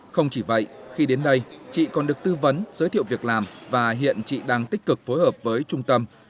không chỉ vậy khi đến đây chị còn được tư vấn giới thiệu việc làm và hiện chị đang tích cực phối hợp với trung tâm